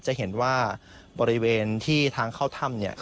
จะเห็นว่าบริเวณที่ทางเข้าถ้ำเนี่ย